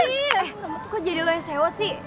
ih kamu tuh kok jadi lo yang sewot sih